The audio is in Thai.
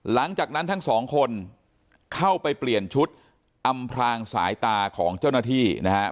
หลังจากนั้นทั้งสองคนเข้าไปเปลี่ยนชุดอำพลางสายตาของเจ้าหน้าที่นะครับ